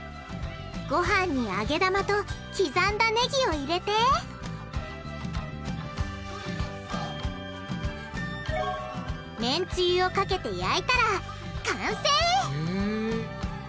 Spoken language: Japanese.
ごはんに揚げ玉と刻んだねぎを入れてめんつゆをかけて焼いたら完成！